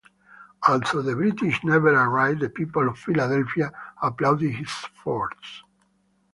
Although the British never arrived, the people of Philadelphia applauded his efforts.